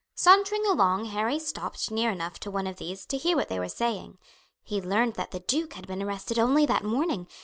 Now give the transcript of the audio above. Sauntering along Harry stopped near enough to one of these to hear what they were saying. He learned that the duke had been arrested only that morning.